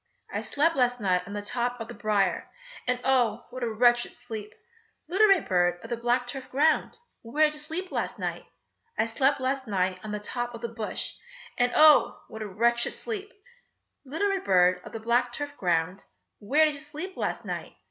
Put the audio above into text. I slept last night on the top of the briar, And oh! what a wretched sleep! Little red bird of the black turf ground, Where did you sleep last night? I slept last night on the top of the bush, And oh! what a wretched sleep! Little red bird of the black turf ground, Where did you sleep last night?